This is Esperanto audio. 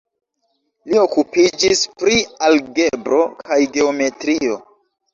Li okupiĝis pri algebro kaj geometrio.